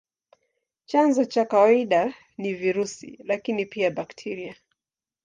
Chanzo cha kawaida ni virusi, lakini pia bakteria.